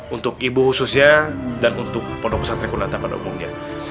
untuk ibu khususnya dan untuk pondok pesantren kunata pada umumnya